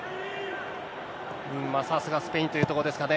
さすがスペインというところですかね。